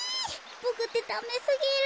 ボクってダメすぎる。